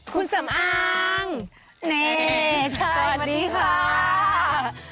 คุณสำอางเน่สวัสดีค่ะ